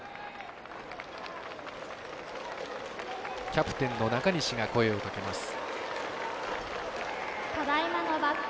キャプテンの中西が声をかけます。